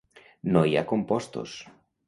No hi ha compostos.